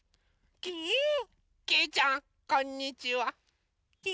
きいちゃんこんにちは。